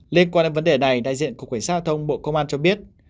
liên quan đến vấn đề này đại diện cục quản sát thông bộ công an cho biết